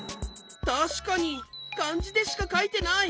たしかにかんじでしかかいてない。